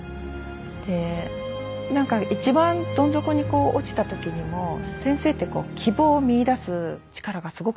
でなんか一番どん底に落ちた時にも先生って希望を見いだす力がすごく強いんですよ。